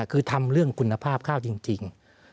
คือทำเรื่องคุณภาพข้าวจริง